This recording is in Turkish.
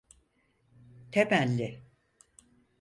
Temelli…